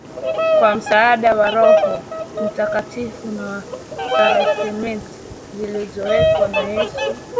kwa msaada wa Roho Mtakatifu na wa sakramenti zilizowekwa na Yesu